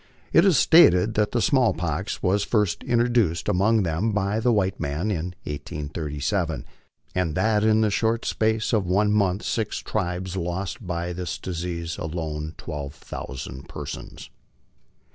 It is stated that the small pox was first introduced among them by the white man in 1837, and that in the short space of one month six tribes lost by this disease alone twelve thousand persons.